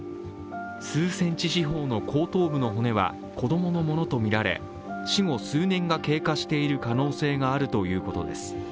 数センチ四方の後頭部の骨は子供のものとみられ死後数年が経過している可能性があるということです。